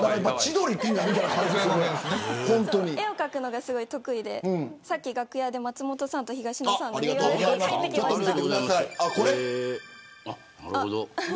絵を描くのがすごい得意でさっき楽屋で松本さんと東野さんの似顔絵を描いてきました。